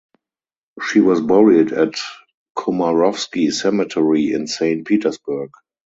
She was buried at Komarovsky cemetery in Saint Petersburg.